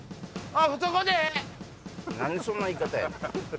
何でそんな言い方やねん！